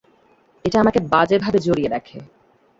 এটা আমাকে বাজে ভাবে জড়িয়ে রাখে।